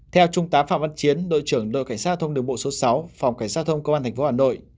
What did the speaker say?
theo trung tá phạm văn chiến đội trưởng đội cảnh sát giao thông đường bộ số sáu phòng cảnh sát giao thông công an tp hà nội